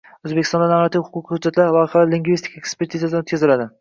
O‘zbekistonda normativ-huquqiy hujjatlar loyihalari lingvistik ekspertizadan o‘tkaziladi